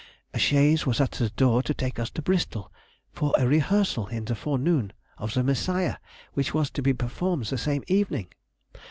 A chaise was at the door to take us to Bristol for a rehearsal in the forenoon, of the 'Messiah,' which was to be performed the same evening.